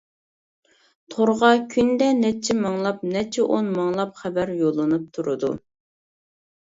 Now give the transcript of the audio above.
تورغا كۈندە نەچچە مىڭلاپ، نەچچە ئونمىڭلاپ خەۋەر يوللىنىپ تۇرىدۇ.